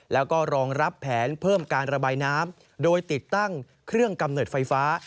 แล้วก็รองรับแผนเพิ่มการระบายน้ำโดยติดตั้งเครื่องกำเนิดไฟฟ้า